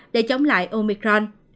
để chống lại omicron